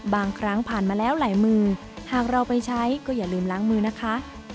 บางครั้งผ่านมาแล้วหลายมือหากเราไปใช้ก็อย่าลืมล้างมือนะคะ